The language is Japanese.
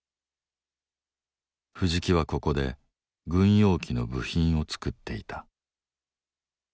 藤木はここで軍用機の部品を作っていた。